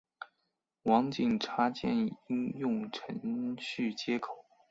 网景插件应用程序接口。